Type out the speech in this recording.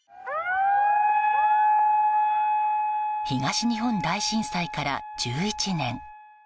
東日本大震災から１１年。